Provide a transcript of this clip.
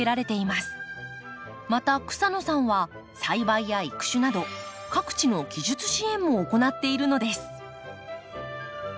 また草野さんは栽培や育種など各地の技術支援も行っているのです。